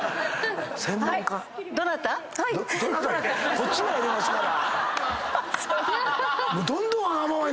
こっちがやりますから。